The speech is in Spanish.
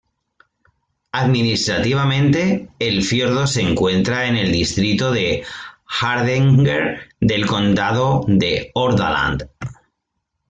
Administrativamente, el fiordo se encuentra en el distrito de Hardanger del condado de Hordaland.